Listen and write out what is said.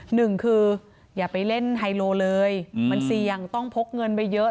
หนึ่งคืออย่าไปเล่นไฮโลเลยมันเสี่ยงต้องพกเงินไปเยอะ